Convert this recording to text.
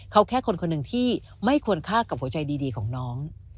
เขาแค่คนหนึ่งที่ไม่ควรฆ่ากับหัวใจดีของน้อง